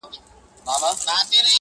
• سړی پوه سو چي له سپي ورکه سوه لاره -